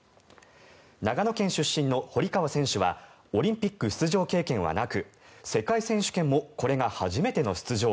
長野県出身の堀川選手はオリンピック出場経験はなく世界選手権もこれが初めての出場。